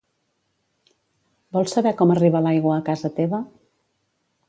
Vols saber com arriba l'aigua a casa teva?